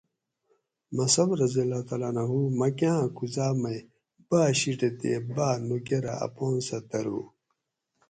مصعب (رض) مکاۤں کوڅاۤ مئ باۤ شیٹہ تے باۤ نوکرہ اپان سہ درو